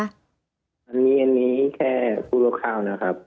อันนี้แค่พูดกับข้าวนะครับ